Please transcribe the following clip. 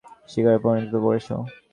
তুমি নিজেই নিজেকে আমার শিকারে পরিণত করেছ।